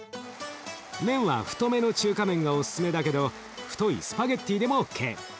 麺は太めの中華麺がおすすめだけど太いスパゲッティでもＯＫ。